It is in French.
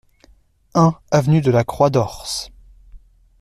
un avenue de la Croix d'Hors